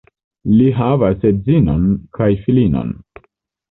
Li havas edzinon kaj filinon.